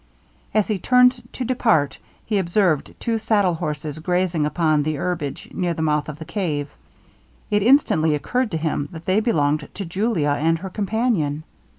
As he turned to depart, he observed two saddle horses grazing upon the herbage near the mouth of the cave. It instantly occurred to him that they belonged to Julia and her companion.